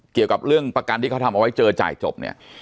เกี่ยวกับเรื่องประกันที่เขาทำเอาไว้เจอจ่ายจบเนี่ย